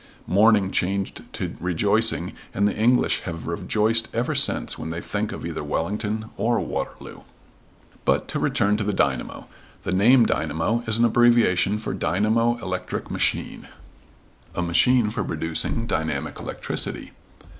Mourning changed to rejoicing and the English have rejoiced ever since when they think of either Wellington or Waterloo. But to return to the dynamo. The name dynamo is an abbreviation for dynamo electric machine. A machine for producing dynamic electricity.